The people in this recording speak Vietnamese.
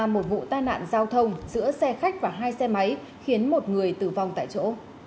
một vụ tai nạn giao thông giữa xe khách và hai xe máy khiến một người tử vong tại chỗ